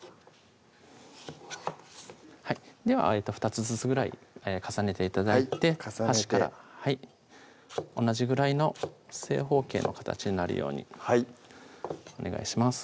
２つずつぐらい重ねて頂いて端から同じぐらいの正方形の形になるようにお願いします